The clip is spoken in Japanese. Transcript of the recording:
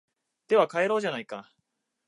では帰ろうじゃないか